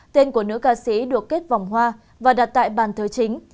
tên của nữ ca sĩ được kết vòng hoa và đặt tại bàn thờ chính